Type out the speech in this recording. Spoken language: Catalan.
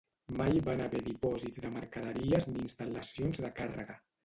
Mai van haver dipòsits de mercaderies ni instal·lacions de càrrega.